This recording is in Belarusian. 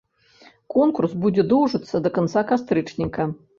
Конкурс будзе доўжыцца да канца кастрычніка.